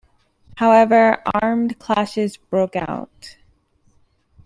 However, armed clashes broke out.